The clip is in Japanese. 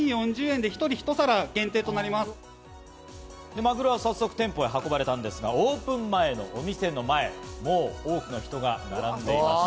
マグロは早速店舗へ運ばれたんですがオープン前のお店の前、もう多くの人が並んでいました。